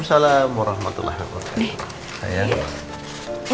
assalamualaikum warahmatullahi wabarakatuh